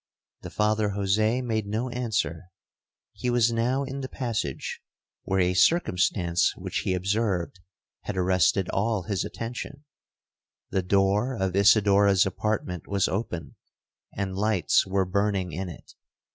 'The Father Jose made no answer. He was now in the passage, where a circumstance which he observed had arrested all his attention,—the door of Isidora's apartment was open, and lights were burning in it.